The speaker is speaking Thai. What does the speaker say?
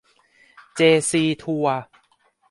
เจซีทัวร์